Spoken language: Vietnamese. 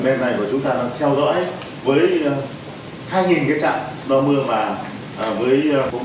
chương trình này của chúng ta đang theo dõi với hai trạm đo mưa và với phóng viên và cơ quan phù trực của ban chỉ huy của các địa phương